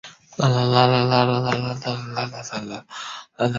因此在新的文献中它往往与隼雕属合并。